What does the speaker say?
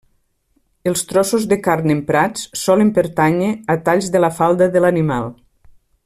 Els trossos de carn emprats solen pertànyer a talls de la falda de l'animal.